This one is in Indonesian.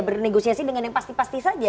bernegosiasi dengan yang pasti pasti saja